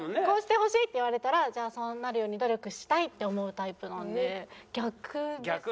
こうしてほしいって言われたらじゃあそうなるように努力したいって思うタイプなので逆。